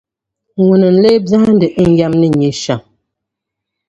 Ŋuni n-lee bɛhindi n yɛm ni nyɛ shɛm?